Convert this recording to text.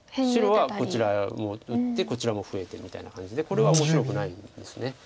白はこちらも打ってこちらも増えてみたいな感じでこれは面白くないです。